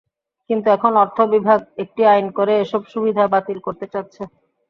কিন্তু এখন অর্থ বিভাগ একটি আইন করে এসব সুবিধা বাতিল করতে চাচ্ছে।